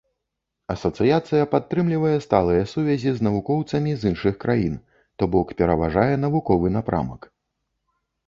Асацыяцыя падтрымлівае сталыя сувязі з навукоўцамі з іншых краін, то бок пераважае навуковы напрамак.